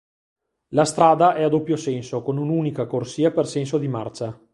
La strada è a doppio senso con un'unica corsia per senso di marcia.